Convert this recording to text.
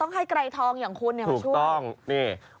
ต้องให้ไกรทองอย่างคุณมาช่วยถูกต้องนี่พักเราด้วย